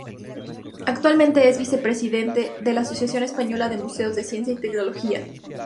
Actualmente es vicepresidente de la Asociación Española de Museos de Ciencia y Tecnología.